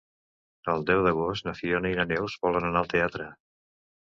El deu d'agost na Fiona i na Neus volen anar al teatre.